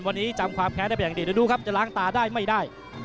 วันนี้จำความแค้นได้เป็นอย่างดีเดี๋ยวดูครับจะล้างตาได้ไม่ได้